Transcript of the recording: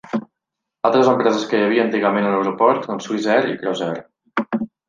Altres empreses que hi havia antigament a l'aeroport són Swissair i Crossair.